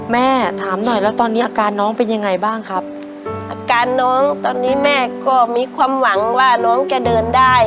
แม่ถามหน่อยแล้วตอนนี้อาการน้องเป็นยังไงบ้างครับอาการน้องตอนนี้แม่ก็มีความหวังว่าน้องจะเดินได้